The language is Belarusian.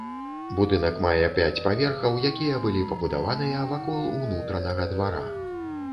Будынак мае пяць паверхаў, якія былі пабудаваныя вакол унутранага двара.